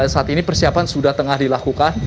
saat ini persiapan sudah tengah dilakukan